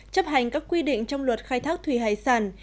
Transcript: chấp hành các quy định trong luật khai thác thủy hải sản